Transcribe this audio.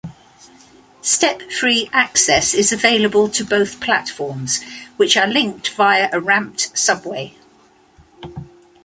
Step-free access is available to both platforms, which are linked via a ramped subway.